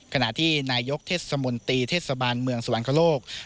ขณะที่นายกเทศมนตรีเทศบาลเมืองสวรรคโลก